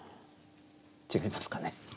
違いますかね？